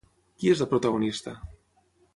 Qui és la protagonista?